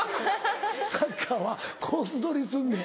サッカーはコース取りすんねん。